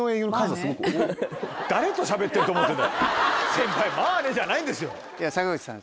先輩「まぁね」じゃないんですよ。坂口さん。